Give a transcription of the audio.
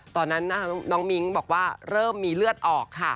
ตอนนั้นน้องมิ้งบอกว่าเริ่มมีเลือดออกค่ะ